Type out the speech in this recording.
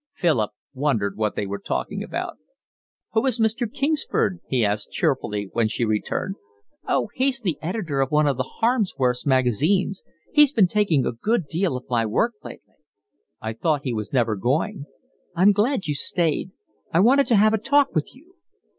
Philip wondered what they were talking about. "Who is Mr. Kingsford?" he asked cheerfully, when she returned. "Oh, he's the editor of one of Harmsworth's Magazines. He's been taking a good deal of my work lately." "I thought he was never going." "I'm glad you stayed. I wanted to have a talk with you."